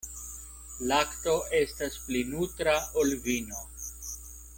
Lakto estas pli nutra, ol vino.